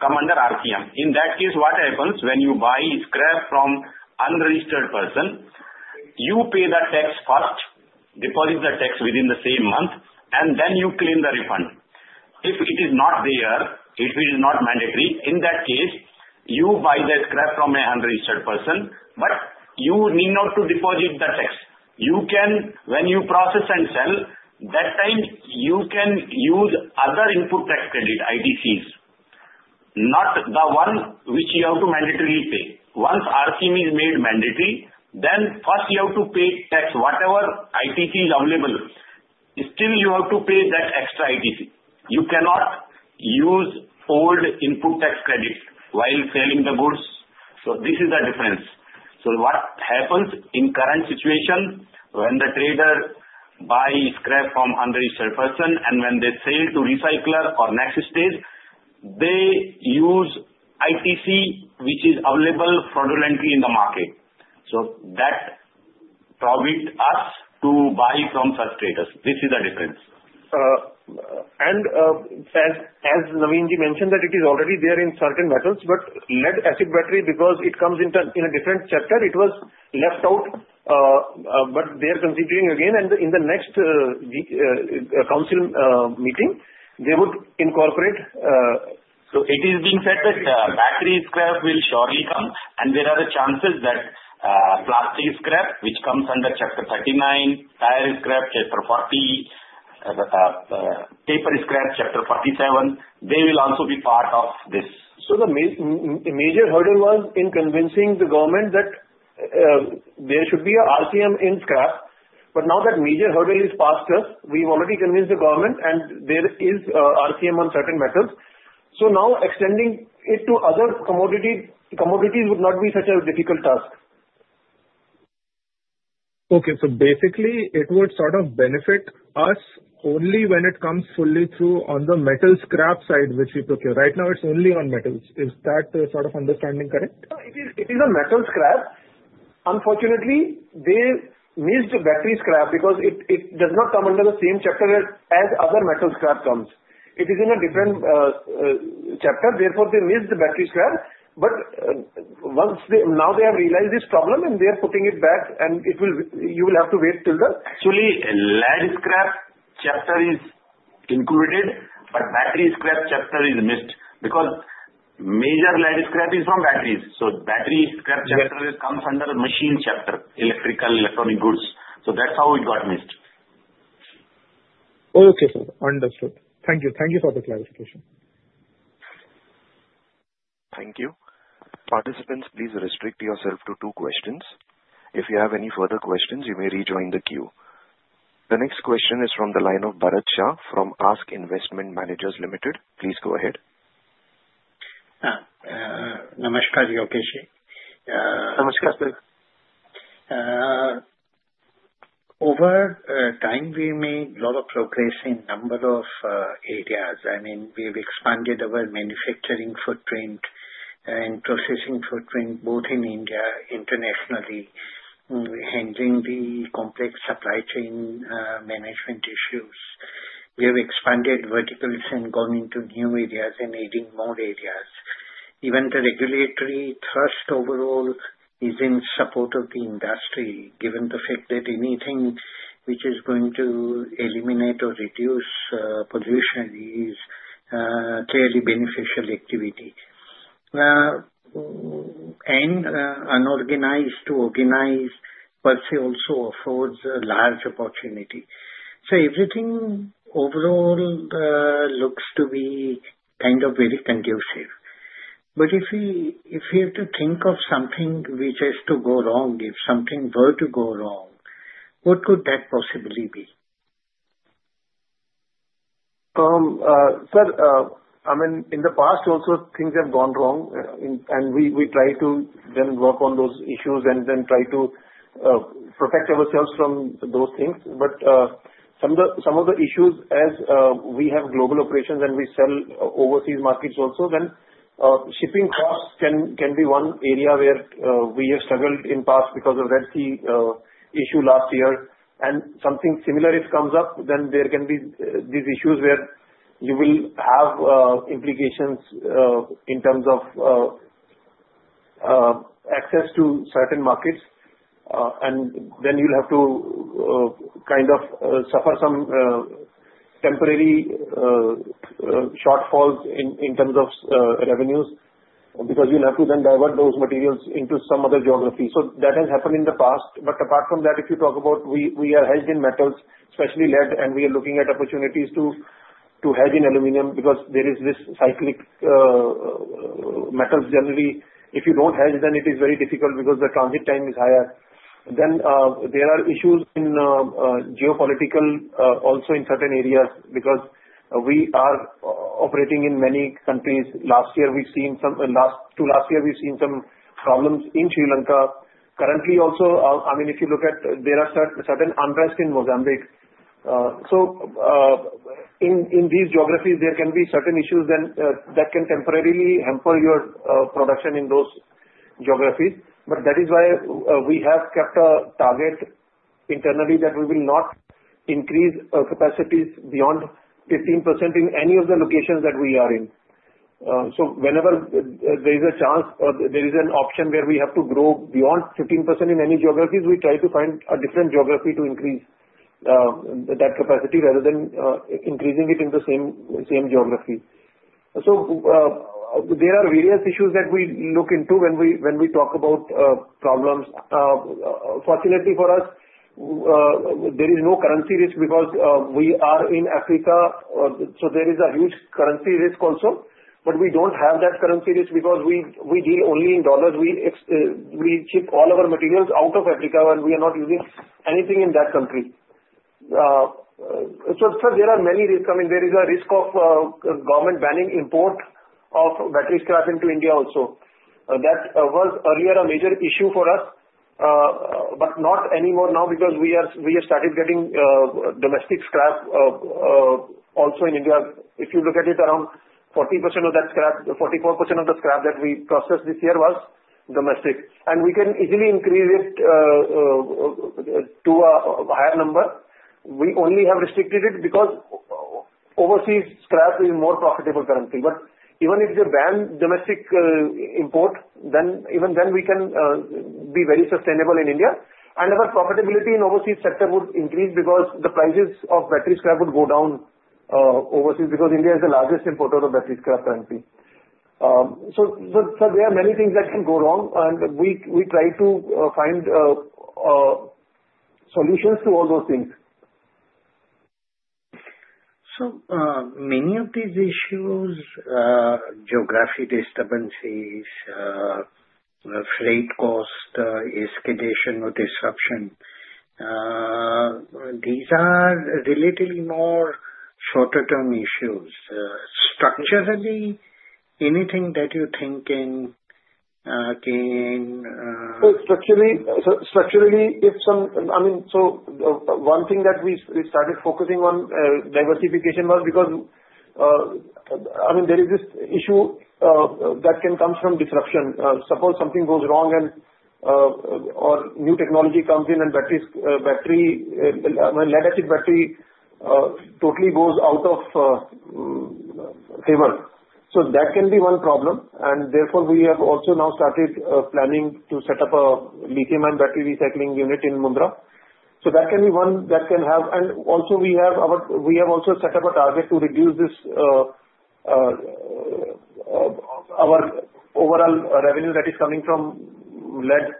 come under RCM. In that case, what happens when you buy scrap from an unregistered person? You pay the tax first, deposit the tax within the same month, and then you claim the refund. If it is not there, if it is not mandatory, in that case, you buy the scrap from an unregistered person, but you need not to deposit the tax. You can. When you process and sell, that time, you can use other Input Tax Credit ITCs, not the one which you have to mandatorily pay. Once RCM is made mandatory, then first you have to pay tax, whatever ITC is available. Still, you have to pay that extra ITC. You cannot use old Input Tax Credit while selling the goods. So this is the difference. So what happens in current situation when the trader buys scrap from an unregistered person, and when they sell to recycler or next stage, they use ITC, which is available fraudulently in the market. So that prohibits us to buy from such traders. This is the difference. As Naveenji mentioned, that it is already there in certain metals, but lead-acid battery, because it comes in a different chapter, it was left out, but they are considering again, and in the next council meeting, they would incorporate. It is being said that battery scrap will surely come, and there are chances that plastic scrap, which comes under chapter 39, tire scrap, chapter 40, paper scrap, chapter 47, they will also be part of this. The major hurdle was in convincing the government that there should be an RCM in scrap. Now that major hurdle is past us, we've already convinced the government, and there is RCM on certain metals. Now extending it to other commodities would not be such a difficult task. Okay. So basically, it would sort of benefit us only when it comes fully through on the metal scrap side, which we took here. Right now, it's only on metals. Is that sort of understanding correct? It is a metal scrap. Unfortunately, they missed the battery scrap because it does not come under the same chapter as other metal scrap comes. It is in a different chapter. Therefore, they missed the battery scrap. But now they have realized this problem, and they are putting it back, and you will have to wait till the. Actually, lead scrap chapter is included, but battery scrap chapter is missed because major lead scrap is from batteries. So battery scrap chapter comes under machine chapter, electrical, electronic goods. So that's how it got missed. Okay, sir. Understood. Thank you. Thank you for the clarification. Thank you. Participants, please restrict yourself to two questions. If you have any further questions, you may rejoin the queue. The next question is from the line of Bharat Shah from ASK Investment Managers Limited. Please go ahead. Namaskar, Yogesh ji. Namaskar, sir. Over time, we made a lot of progress in a number of areas. I mean, we've expanded our manufacturing footprint and processing footprint both in India, internationally, handling the complex supply chain management issues. We have expanded verticals and gone into new areas and aiding more areas. Even the regulatory thrust overall is in support of the industry, given the fact that anything which is going to eliminate or reduce pollution is clearly beneficial activity. And unorganized to organized per se also affords a large opportunity. So everything overall looks to be kind of very conducive. But if you have to think of something which has to go wrong, if something were to go wrong, what could that possibly be? Sir, I mean, in the past, also things have gone wrong, and we try to then work on those issues and then try to protect ourselves from those things. But some of the issues, as we have global operations and we sell overseas markets also, then shipping costs can be one area where we have struggled in the past because of the Red Sea issue last year. And something similar if it comes up, then there can be these issues where you will have implications in terms of access to certain markets. And then you'll have to kind of suffer some temporary shortfalls in terms of revenues because you'll have to then divert those materials into some other geography. So that has happened in the past. But apart from that, if you talk about we are hedged in metals, especially lead, and we are looking at opportunities to hedge in aluminum because there is this cyclical metals generally. If you don't hedge, then it is very difficult because the transit time is higher. Then there are geopolitical issues also in certain areas because we are operating in many countries. Last year, we've seen some problems in Sri Lanka. Currently also, I mean, if you look at there is certain unrest in Mozambique. So in these geographies, there can be certain issues that can temporarily hamper your production in those geographies. But that is why we have kept a target internally that we will not increase capacities beyond 15% in any of the locations that we are in. Whenever there is a chance or there is an option where we have to grow beyond 15% in any geographies, we try to find a different geography to increase that capacity rather than increasing it in the same geography. There are various issues that we look into when we talk about problems. Fortunately for us, there is no currency risk because we are in Africa, so there is a huge currency risk also. But we don't have that currency risk because we deal only in dollars. We ship all our materials out of Africa, and we are not using anything in that country. There are many risks. I mean, there is a risk of government banning import of battery scrap into India also. That was earlier a major issue for us, but not anymore now because we have started getting domestic scrap also in India. If you look at it, around 40% of that scrap, 44% of the scrap that we processed this year was domestic. And we can easily increase it to a higher number. We only have restricted it because overseas scrap is more profitable currently. But even if they ban domestic import, then even then we can be very sustainable in India. And our profitability in overseas sector would increase because the prices of battery scrap would go down overseas because India is the largest importer of battery scrap currently. So there are many things that can go wrong, and we try to find solutions to all those things. So many of these issues, geopolitical disturbances, freight cost escalation or disruption, these are relatively more short-term issues. Structurally, anything that you're thinking can? So structurally, I mean, so one thing that we started focusing on diversification was because, I mean, there is this issue that can come from disruption. Suppose something goes wrong or new technology comes in and battery, I mean, lead-acid battery totally goes out of favor. So that can be one problem. And therefore, we have also now started planning to set up a lithium-ion battery recycling unit in Mundra. So that can be one that can have, and also we have set up a target to reduce our overall revenue that is coming from lead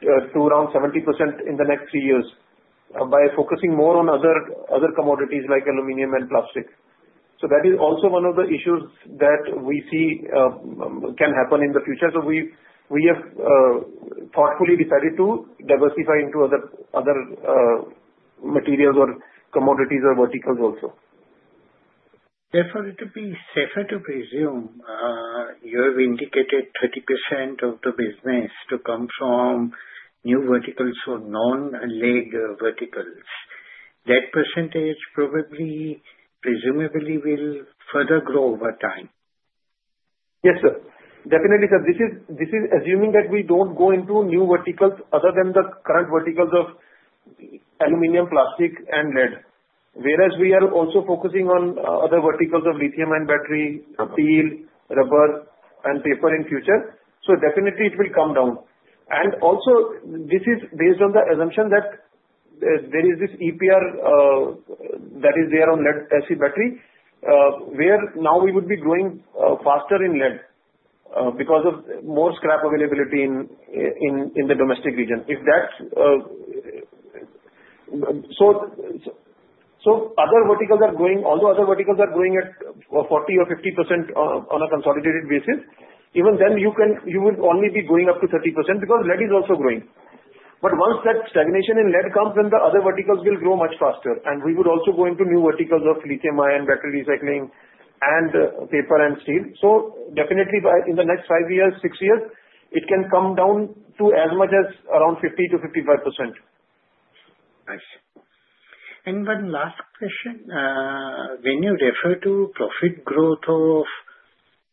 to around 70% in the next three years by focusing more on other commodities like aluminum and plastic. So that is also one of the issues that we see can happen in the future. So we have thoughtfully decided to diversify into other materials or commodities or verticals also. Therefore, it would be safer to presume you have indicated 30% of the business to come from new verticals or non-lead verticals. That percentage probably presumably will further grow over time. Yes, sir. Definitely, sir. This is assuming that we don't go into new verticals other than the current verticals of aluminum, plastic, and lead, whereas we are also focusing on other verticals of lithium-ion battery, steel, rubber, and paper in future. So definitely, it will come down. And also, this is based on the assumption that there is this EPR that is there on lead-acid battery, where now we would be growing faster in lead because of more scrap availability in the domestic region. So other verticals are growing, although other verticals are growing at 40% or 50% on a consolidated basis. Even then, you would only be going up to 30% because lead is also growing. But once that stagnation in lead comes, then the other verticals will grow much faster. And we would also go into new verticals of lithium-ion battery recycling and paper and steel. Definitely, in the next five years, six years, it can come down to as much as around 50%-55%. Nice. And one last question. When you refer to profit growth of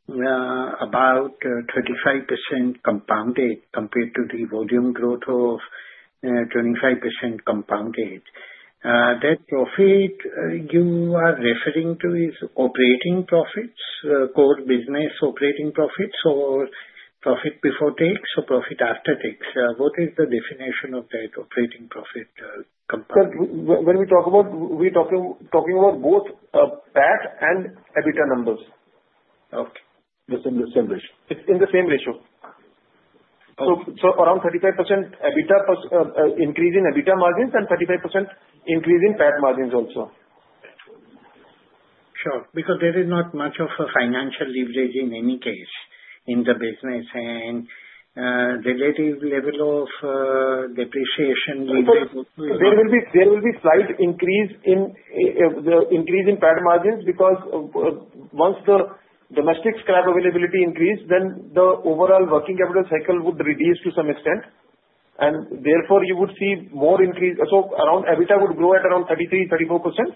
about 25% compounded compared to the volume growth of 25% compounded, that profit you are referring to is operating profits, core business operating profits, or profit before tax or profit after tax? What is the definition of that operating profit compounded? When we're talking about both PAT and EBITDA numbers. Okay. It's in the same ratio. It's in the same ratio. So around 35% EBITDA increase in EBITDA margins and 35% increase in PAT margins also. Sure. Because there is not much of a financial leverage in any case in the business and relative level of depreciation lever. There will be slight increase in PAT margins because once the domestic scrap availability increases, then the overall working capital cycle would reduce to some extent. And therefore, you would see more increase. So around EBITDA would grow at around 33%-34%,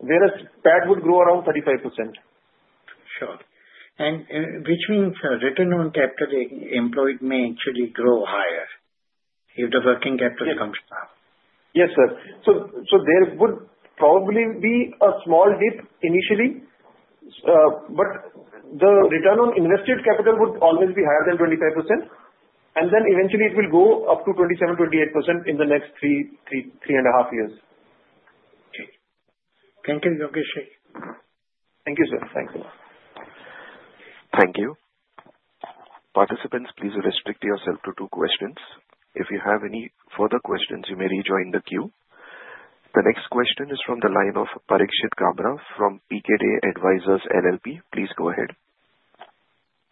whereas PAT would grow around 35%. Sure, and which means return on capital employed may actually grow higher if the working capital comes down. Yes, sir, so there would probably be a small dip initially, but the return on invested capital would always be higher than 25%, and then eventually, it will go up to 27%-28% in the next three and a half years. Okay. Thank you, Yogesh. Thank you, sir. Thank you. Thank you. Participants, please restrict yourself to two questions. If you have any further questions, you may rejoin the queue. The next question is from the line of Parikshit Kabra from PKD Advisors LLP. Please go ahead.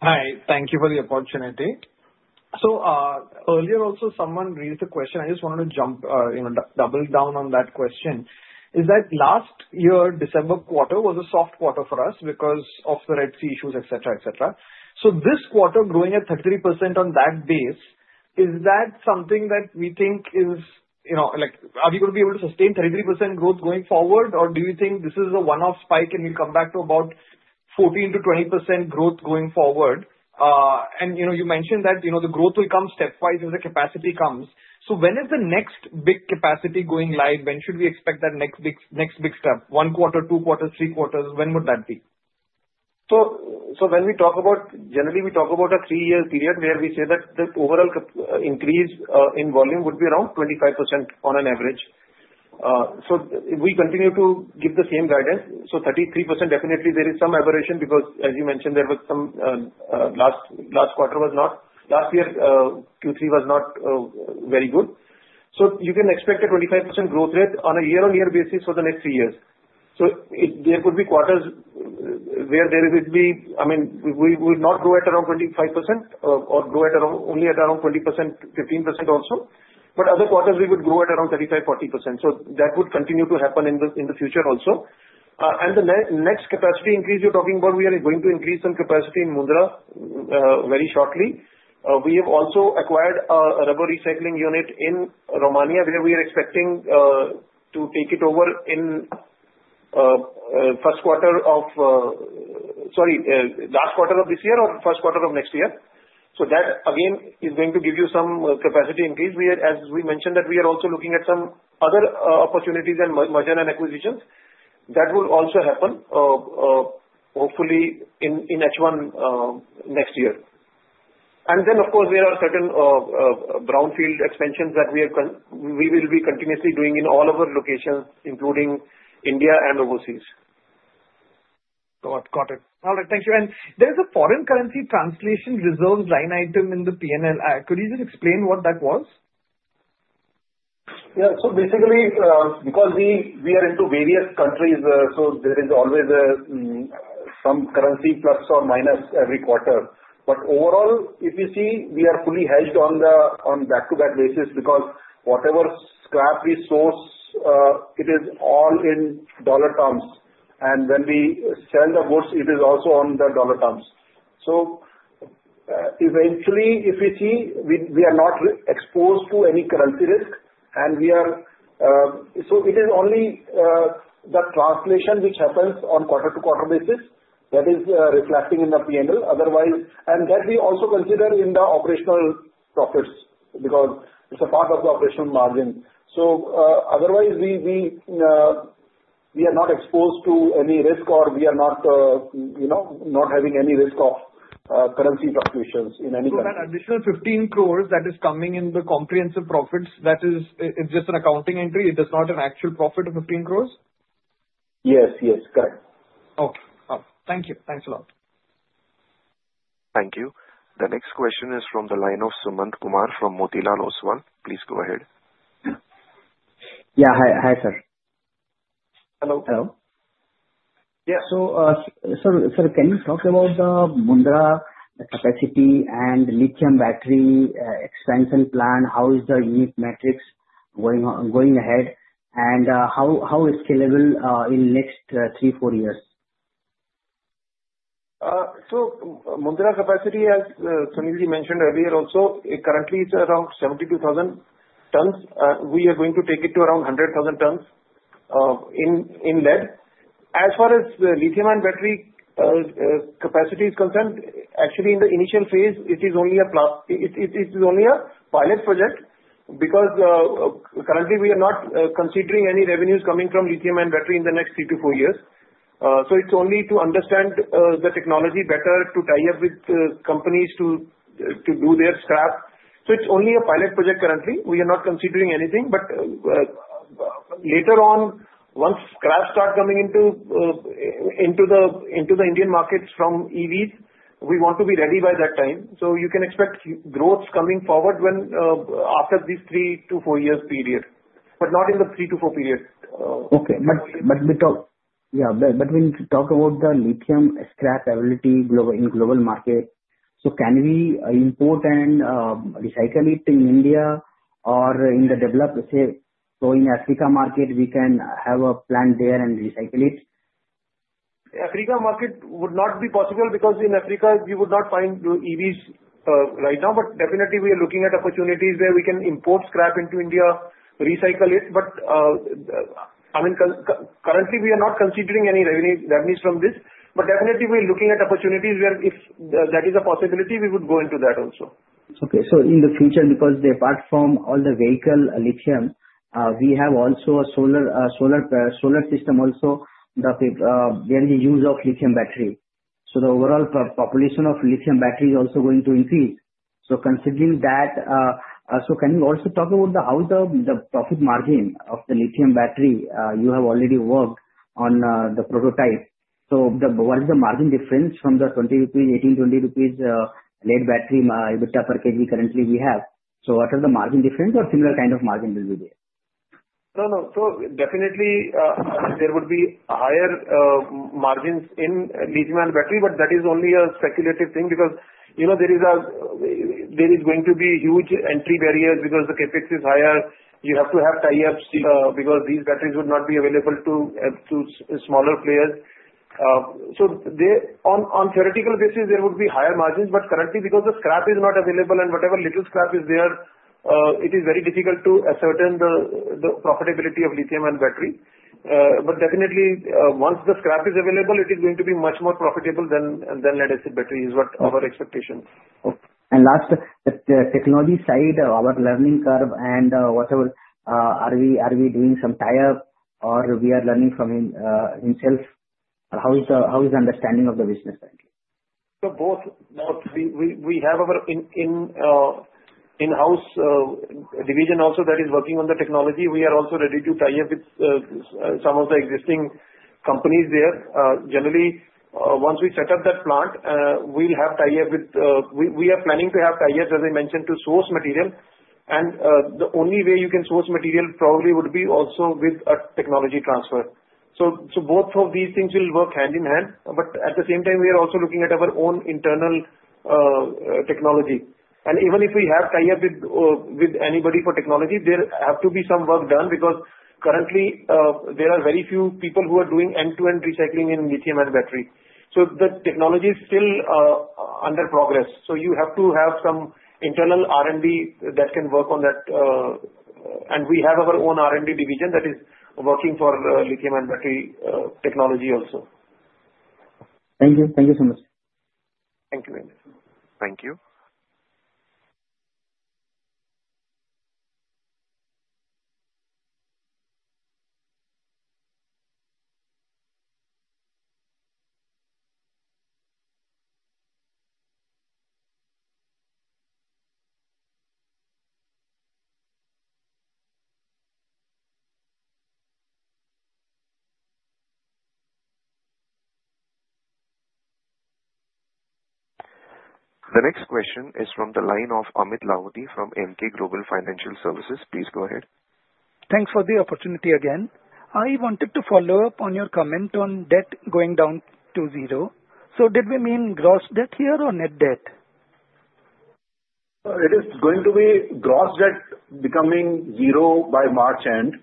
Hi. Thank you for the opportunity. So earlier, also, someone raised a question. I just wanted to jump, double down on that question. Is that last year, December quarter was a soft quarter for us because of the Red Sea issues, etc., etc. So this quarter, growing at 33% on that base, is that something that we think we are going to be able to sustain 33% growth going forward, or do you think this is a one-off spike and we'll come back to about 14%-20% growth going forward? And you mentioned that the growth will come stepwise as the capacity comes. So when is the next big capacity going live? When should we expect that next big step? One quarter, two quarters, three quarters? When would that be? So when we talk about generally, we talk about a three-year period where we say that the overall increase in volume would be around 25% on an average. So we continue to give the same guidance. So 33%, definitely, there is some aberration because, as you mentioned, there was some last quarter was not last year, Q3 was not very good. So you can expect a 25% growth rate on a year-on-year basis for the next three years. So there could be quarters where there would be, I mean, we would not grow at around 25% or grow only at around 20%, 15% also. But other quarters, we would grow at around 35%-40%. So that would continue to happen in the future also. And the next capacity increase you're talking about, we are going to increase some capacity in Mundra very shortly. We have also acquired a rubber recycling unit in Romania where we are expecting to take it over in first quarter of sorry, last quarter of this year or first quarter of next year. So that, again, is going to give you some capacity increase. As we mentioned, that we are also looking at some other opportunities and merger and acquisitions. That will also happen, hopefully, in H1 next year. And then, of course, there are certain brownfield expansions that we will be continuously doing in all of our locations, including India and overseas. Got it. All right. Thank you. And there is a foreign currency translation reserves line item in the P&L. Could you just explain what that was? Yeah. So basically, because we are into various countries, so there is always some currency plus or minus every quarter. But overall, if you see, we are fully hedged on the back-to-back basis because whatever scrap we source, it is all in dollar terms. And when we sell the goods, it is also on the dollar terms. So eventually, if you see, we are not exposed to any currency risk. And so it is only the translation which happens on quarter-to-quarter basis that is reflecting in the P&L. And that we also consider in the operational profits because it's a part of the operational margin. So otherwise, we are not exposed to any risk or we are not having any risk of currency fluctuations in any country. That additional 15 crores that is coming in the consolidated profits, that is just an accounting entry. It is not an actual profit of 15 crores? Yes, yes. Correct. Okay. Thank you. Thanks a lot. Thank you. The next question is from the line of Sumant Kumar from Motilal Oswal. Please go ahead. Yeah. Hi, sir. Hello. Hello. Yeah. So, sir, can you talk about the Mundra capacity and lithium battery expansion plan? How is the unit metrics going ahead? And how is scalable in the next three, four years? So, Mundra capacity, as Sunilji mentioned earlier also, currently it's around 72,000 tons. We are going to take it to around 100,000 tons in lead. As far as lithium-ion battery capacity is concerned, actually in the initial phase it is only a pilot project because currently we are not considering any revenues coming from lithium-ion battery in the next three to four years. So it's only to understand the technology better, to tie up with companies to do their scrap. So it's only a pilot project currently. We are not considering anything. But later on, once scraps start coming into the Indian markets from EVs, we want to be ready by that time. So you can expect growth coming forward after this three to four years period, but not in the three to four period. Okay. But yeah, but when you talk about the lithium scrap availability in the global market, so can we import and recycle it in India or in the developed, say, so in the Africa market, we can have a plant there and recycle it? African market would not be possible because in Africa, you would not find EVs right now. But definitely, we are looking at opportunities where we can import scrap into India, recycle it. But I mean, currently, we are not considering any revenues from this. But definitely, we are looking at opportunities where if that is a possibility, we would go into that also. Okay. So in the future, because they part from all the vehicle lithium, we have also a solar system also where the use of lithium battery. So the overall population of lithium battery is also going to increase. So considering that, so can you also talk about how the profit margin of the lithium battery you have already worked on the prototype? So what is the margin difference from the ₹20, ₹18, ₹20 lead battery EBITDA per kg currently we have? So what are the margin difference or similar kind of margin will be there? No, no. So definitely, there would be higher margins in lithium-ion battery, but that is only a speculative thing because there is going to be huge entry barriers because the Capex is higher. You have to have tie-ups because these batteries would not be available to smaller players. So on theoretical basis, there would be higher margins. But currently, because the scrap is not available and whatever little scrap is there, it is very difficult to ascertain the profitability of lithium-ion battery. But definitely, once the scrap is available, it is going to be much more profitable than lead-acid battery is what our expectations. And last, the technology side, our learning curve and whatever, are we doing some tie-up or we are learning from ourselves? How is the understanding of the business currently? So both. We have our in-house division also that is working on the technology. We are also ready to tie up with some of the existing companies there. Generally, once we set up that plant, we are planning to have tie-ups, as I mentioned, to source material. And the only way you can source material probably would be also with a technology transfer. So both of these things will work hand in hand. But at the same time, we are also looking at our own internal technology. And even if we have tie-up with anybody for technology, there have to be some work done because currently, there are very few people who are doing end-to-end recycling in lithium-ion battery. So the technology is still under progress. So you have to have some internal R&D that can work on that. We have our own R&D division that is working for lithium-ion battery technology also. Thank you. Thank you so much. Thank you very much. Thank you. The next question is from the line of Amit Lahoti from Emkay Global Financial Services. Please go ahead. Thanks for the opportunity again. I wanted to follow up on your comment on debt going down to zero. So did we mean gross debt here or net debt? It is going to be gross debt becoming zero by March end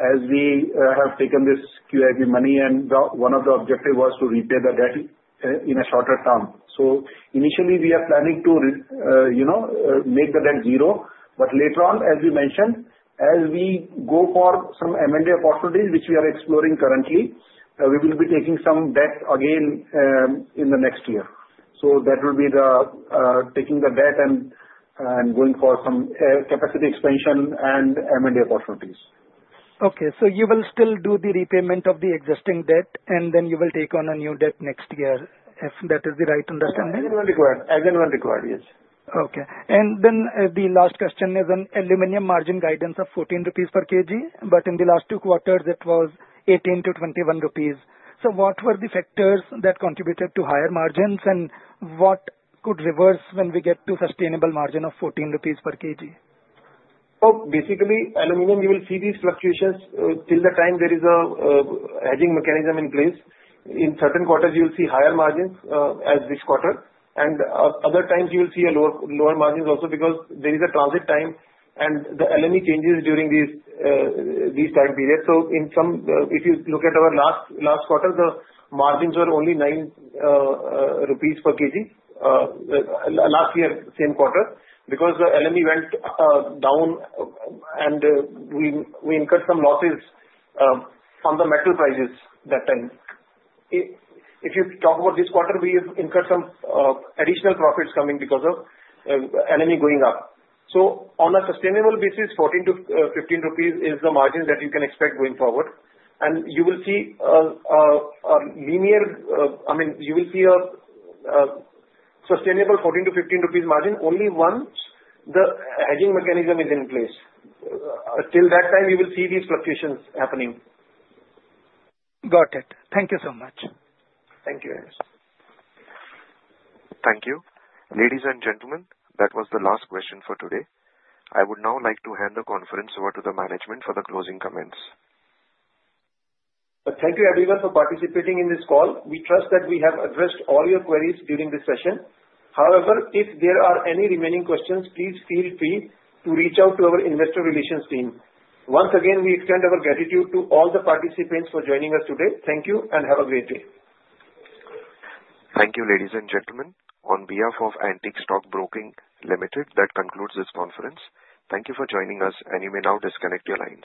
as we have taken this QIP money. And one of the objectives was to repay the debt in a shorter term. So initially, we are planning to make the debt zero. But later on, as we mentioned, as we go for some M&A opportunities, which we are exploring currently, we will be taking some debt again in the next year. So that will be taking the debt and going for some capacity expansion and M&A opportunities. Okay. So you will still do the repayment of the existing debt, and then you will take on a new debt next year, if that is the right understanding? As and when required. As and when required, yes. Okay. And then the last question is an aluminum margin guidance of 14 rupees per kg, but in the last two quarters, it was 18 to 21 rupees. So what were the factors that contributed to higher margins, and what could reverse when we get to sustainable margin of 14 rupees per kg? So basically, aluminum, you will see these fluctuations till the time there is a hedging mechanism in place. In certain quarters, you will see higher margins as this quarter. And other times, you will see lower margins also because there is a transit time, and the LME changes during these time periods. So if you look at our last quarter, the margins were only ₹9 per kg last year, same quarter, because the LME went down, and we incurred some losses from the metal prices that time. If you talk about this quarter, we have incurred some additional profits coming because of LME going up. So on a sustainable basis, ₹14-₹15 is the margin that you can expect going forward. And you will see a linear I mean, you will see a sustainable ₹14-₹15 margin only once the hedging mechanism is in place. Till that time, you will see these fluctuations happening. Got it. Thank you so much. Thank you very much. Thank you. Ladies and gentlemen, that was the last question for today. I would now like to hand the conference over to the management for the closing comments. Thank you, everyone, for participating in this call. We trust that we have addressed all your queries during this session. However, if there are any remaining questions, please feel free to reach out to our investor relations team. Once again, we extend our gratitude to all the participants for joining us today. Thank you, and have a great day. Thank you, ladies and gentlemen. On behalf of Antique Stock Broking Limited, that concludes this conference. Thank you for joining us, and you may now disconnect your lines.